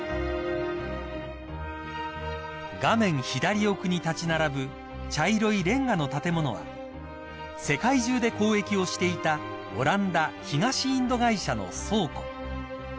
［画面左奥に立ち並ぶ茶色いレンガの建物は世界中で交易をしていたオランダ東インド会社の倉庫］